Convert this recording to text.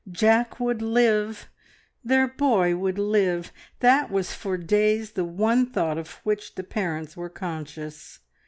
Jack would live, their boy would live that was for days the one thought of which the parents were conscious.